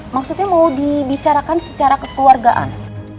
maksudnya mau dibicarakan secara kekeluargaan